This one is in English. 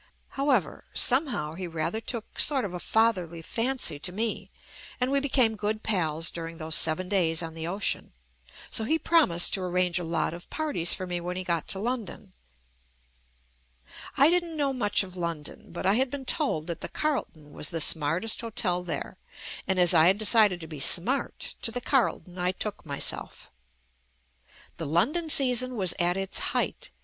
However, somehow he rather took sort of a fatherly fancy to me, and we became good pals during those seven days on the ocean. So he promised to arrange a lot of parties for me when he got to London. I didn't know much of London, but I had been told that the Carlton was the smartest ho tel there, and as I had decided to be "smart," to the Carlton I took myself. The London season was at its height.